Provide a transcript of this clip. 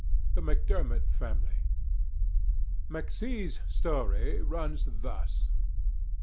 THE MACDERMOT FAMILY. McC 's story runs thus.